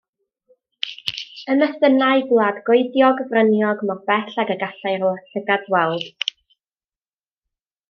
Ymestynnai gwlad goediog fryniog mor bell ag y gallai'r llygad weld.